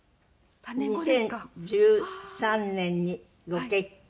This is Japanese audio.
２０１３年にご結婚。